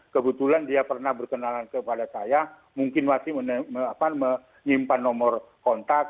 kebetulan dia pernah berkenalan kepada saya mungkin masih menyimpan nomor kontak